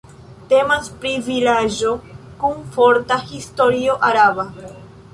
Temas pri vilaĝo kun forta historio araba.